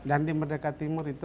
dan di merdeka timur itu